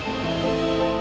masuk aja dulu